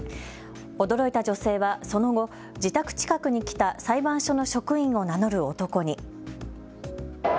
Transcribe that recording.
驚いた女性はその後、自宅近くに来た裁判所の職員を名乗る男に。